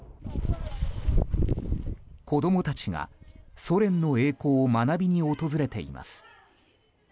子供たちがソ連の栄光を学びに訪れています。